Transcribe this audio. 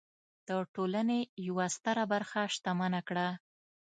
د ټولنې یوه ستره برخه شتمنه کړه.